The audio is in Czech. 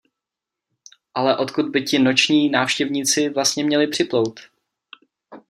Ale odkud by ti noční návštěvníci vlastně měli připlout?